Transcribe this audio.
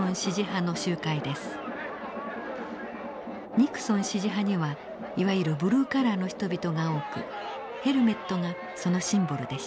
ニクソン支持派にはいわゆるブルーカラーの人々が多くヘルメットがそのシンボルでした。